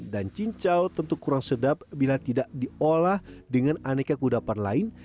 dan cincau tentu kurang sedap bila tidak diolah dengan aneka kudapan lain